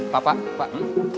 pak pak pak